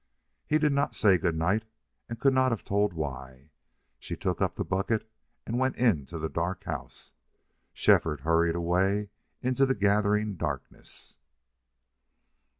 He did not say good night and could not have told why. She took up the bucket and went into the dark house. Shefford hurried away into the gathering darkness.